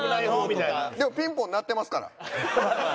でもピンポン鳴ってますから。